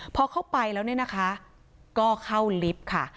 พอเข้าไปแล้วเนี่ยนะคะก็เข้าลิฟต์ค่ะ